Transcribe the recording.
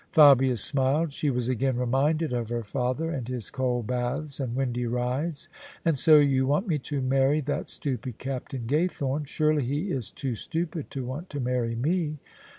Fabia smiled. She was again reminded of her father and his cold baths and windy rides. " And so you want me to marry that stupid Captain Gaythorne? Surely he is too stupid to want to marry me?"